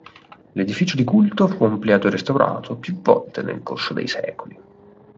L'edificio di culto fu ampliato e restaurato più volte nel corso dei secoli.